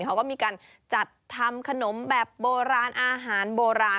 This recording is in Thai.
เขาก็มีการจัดทำขนมแบบโบราณอาหารโบราณ